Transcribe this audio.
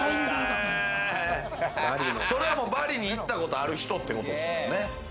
それはもうバリに行ったことある人ってことですよね。